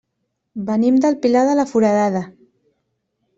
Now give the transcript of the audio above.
Venim del Pilar de la Foradada.